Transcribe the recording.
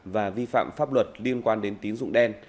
và vi phạm pháp luật liên quan đến tín dụng đen